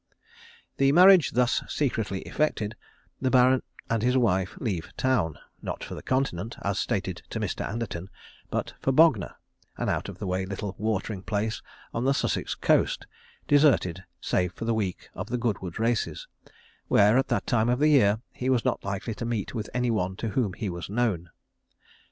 The marriage thus secretly effected, the Baron and his wife leave town, not for the continent, as stated to Mr. Anderton, but for Bognor, an out of the way little watering place on the Sussex coast, deserted save for the week of the Goodwood races, where, at that time of the year, he was not likely to meet with any one to whom he was known.